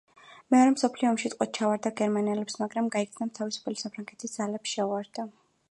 მეორე მსოფლიო ომში ტყვედ ჩაუვარდა გერმანელებს, მაგრამ გაიქცა და თავისუფალი საფრანგეთის ძალებს შეუერთდა.